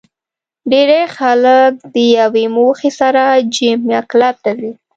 ډېری خلک د یوې موخې سره جېم یا کلب ته ځي